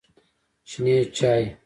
شنې چای